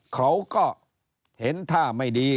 เขาก็เห็นท่าไม่ดี